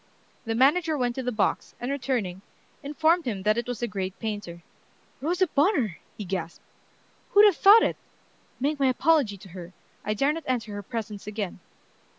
The manager went to the box, and returning, informed him that it was the great painter. "Rosa Bonheur!" he gasped. "Who'd have thought it? Make my apology to her. I dare not enter her presence again."